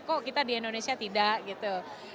kok kita di indonesia tidak gitu